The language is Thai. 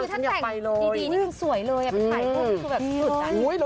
ถังแต่งดีนี่ก็สวยเลย